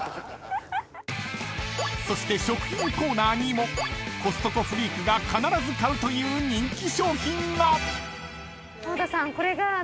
［そして食品コーナーにもコストコフリークが必ず買うという人気商品が］